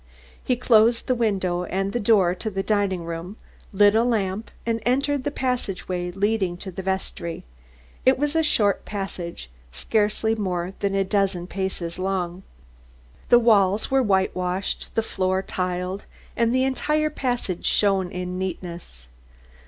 He closed the window and the door to the dining room, lit a lamp, and entered the passageway leading to the vestry. It was a short passageway, scarcely more than a dozen paces long. The walls were whitewashed, the floor tiled and the entire passage shone in neatness.